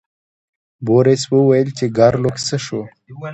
بوریس وویل چې ګارلوک څه شو.